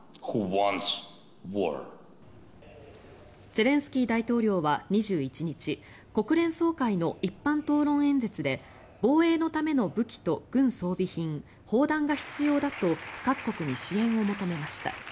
ゼレンスキー大統領は２１日国連総会の一般討論演説で防衛のための武器と軍装備品砲弾が必要だと各国に支援を求めました。